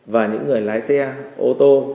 và những người lái xe ô tô